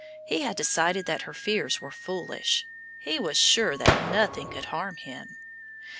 He had decided that her fears were foolish. He was sure that nothing could harm him.